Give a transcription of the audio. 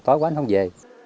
gói quá anh không về